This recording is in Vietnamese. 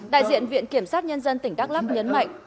đại diện viện kiểm sát nhân dân tỉnh đắk lắc nhấn mạnh